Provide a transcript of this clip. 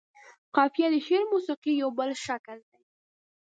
قافيه د شعر موسيقۍ يو بل شکل دى.